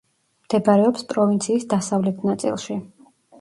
მდებარეობს პროვინციის დასავლეთ ნაწილში.